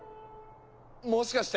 もしかして。